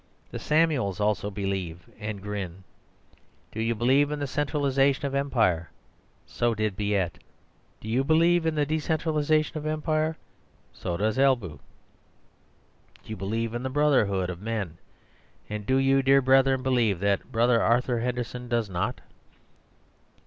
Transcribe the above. The Samuels also believe, and grin. Do you believe in the centralisation of Empire? So did Beit. Do you believe in the decentralisation of Empire? So does Albu. Do you believe in the brotherhood of men: and do you, dear brethren, believe that Brother Arthur Henderson does not?